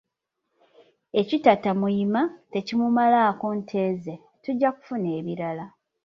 ekitatta muyima, tekimumalaako nte ze, tujja kufuna ebirala